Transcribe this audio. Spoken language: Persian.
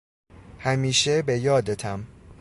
همیشه به یادتم!